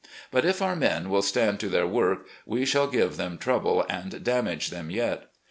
But if our men will stand to their work, we shall give them trouble and damage them yet.